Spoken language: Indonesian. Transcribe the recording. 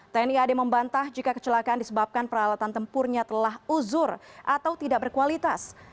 tni ad membantah jika kecelakaan disebabkan peralatan tempurnya telah uzur atau tidak berkualitas